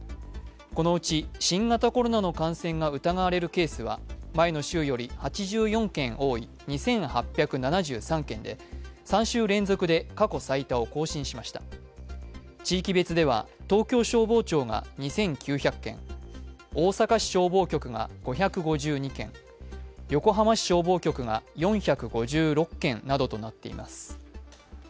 このうち新型コロナの感染が疑われるケースは前の週より８４件多い２８７３件で３週連続で過去最多を更新しました地域別では東京消防庁が２９００件、大阪市消防局が５５２件、横浜市消防局が４５６件などとなっています。